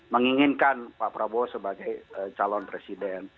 menginginkan pak prabowo sebagai calon presiden